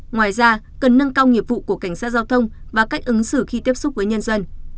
ngoài ra cần nâng cao nghiệp vụ của cảnh sát giao thông và cách ứng xử khi tiếp xúc với nhân dân